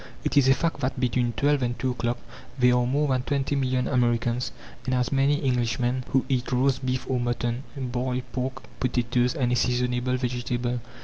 It is a fact that between twelve and two o'clock there are more than twenty million Americans and as many Englishmen who eat roast beef or mutton, boiled pork, potatoes and a seasonable vegetable.